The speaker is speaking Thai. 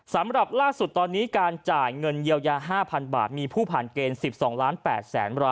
สำหรับล่าสุดตอนนี้การจ่ายเงินเยียวยา๕๐๐บาทมีผู้ผ่านเกณฑ์๑๒ล้าน๘แสนราย